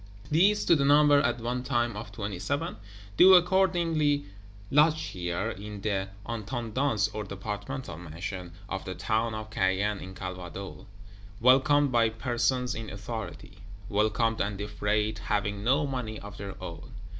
These, to the number at one time of Twenty seven, do accordingly lodge here, in the "Intendance," or Departmental Mansion, of the town of Caen in Calvados; welcomed by Persons in Authority; welcomed and defrayed, having no money of their own.